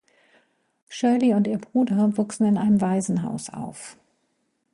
Shirley und ihr Bruder wuchsen in einem Waisenhaus auf.